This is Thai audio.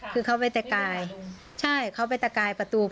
คือเขาไปตะกายใช่เขาไปตะกายประตู